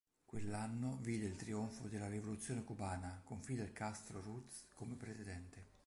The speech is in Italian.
Quell'anno vide il trionfo della rivoluzione cubana, con Fidel Castro Ruz come presidente.